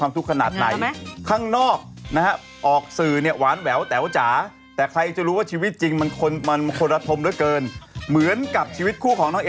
ยังถึงผิงพะนิตามายว่าเดี๋ยวเร็วนี่คงต้องมีข่าวเดี๋ยวไปรอดูกันด้วยเอง